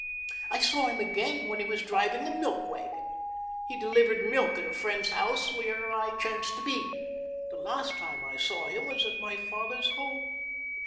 "I saw him again when he was driving a milk wagon. He delivered milk at a friend's house where I chanced to be. The last time I saw him was at my father's home.